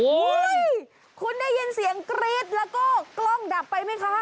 คุณได้ยินเสียงกรี๊ดแล้วก็กล้องดับไปไหมคะ